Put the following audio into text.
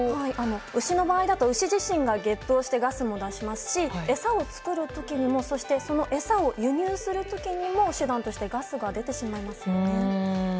牛の場合だと牛自身がげっぷをしてガスを出しますし餌を作る時にもそして餌を輸入する時にも手段としてガスが出てしまいますよね。